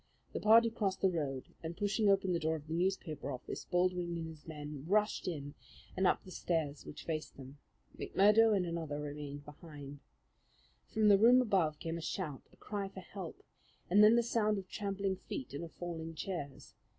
The party crossed the road, and, pushing open the door of the newspaper office, Baldwin and his men rushed in and up the stair which faced them. McMurdo and another remained below. From the room above came a shout, a cry for help, and then the sound of trampling feet and of falling chairs.